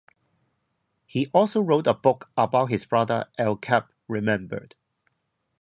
He also wrote a book about his brother, Al Capp Remembered.